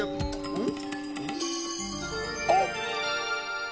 うん？